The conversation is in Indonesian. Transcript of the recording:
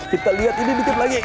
kita lihat ini bikin lagi